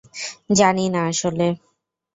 জানি না আসলে!